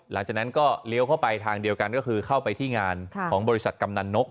หลังจากนั้นก็เลี้ยวเข้าไปทางเดียวกันก็คือเข้าไปที่งานของบริษัทกำนันนก